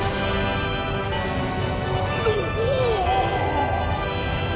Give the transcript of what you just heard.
おお！